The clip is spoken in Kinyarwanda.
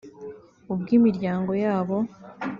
ubw’imiryango yabo